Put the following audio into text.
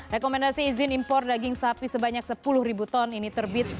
rekomendasi izin impor daging sapi sebanyak sepuluh ribu ton ini terbit